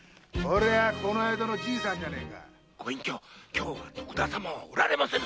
今日は徳田様はおられませぬ。